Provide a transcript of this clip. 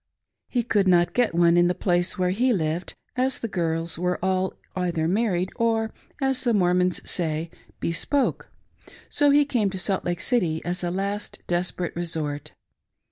He could not get one in the place where he lived, as the girls were all either married, or, as the Mormons say, "bespoke;" so he came to Salt Lake City as a last desperate resort.